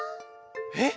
えっ？